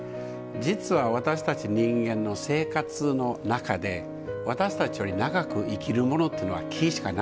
実は私たち人間の生活の中で私たちより長く生きるものというのは木しかないんです。